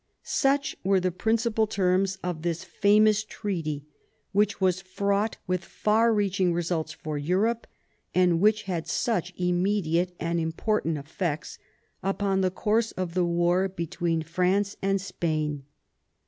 Such were the principal terms of this VII SPANISH WAR AND ENGLISH ALLIANCE 135 famous treaty, which was fraught with far reaching results for Europe, and which had such immediate and important efiFects upon the course of the war between France and Spain.